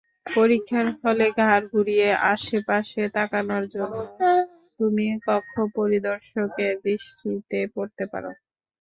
পরীক্ষার হলে ঘাড় ঘুড়িয়ে আশপাশে তাকানোর জন্যও তুমি কক্ষপরিদর্শকের দৃষ্টিতে পড়তে পারো।